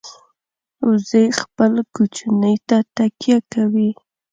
وزې خپل کوچني ته تکیه کوي